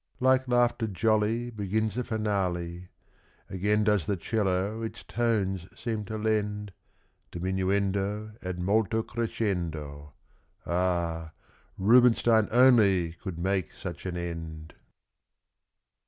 Like laughter jolly Begins the finale; Again does the 'cello its tones seem to lend Diminuendo ad molto crescendo. Ah! Rubinstein only could make such an end!